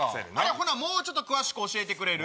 ほなもうちょっと詳しく教えてくれる？